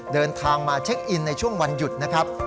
เดินทางมาเช็คอินในช่วงวันหยุดนะครับ